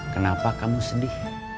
kenapa kamu sedih